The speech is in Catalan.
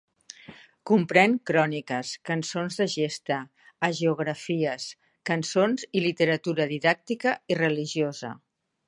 Comprèn cròniques, cançons de gesta, hagiografies, cançons i literatura didàctica i religiosa.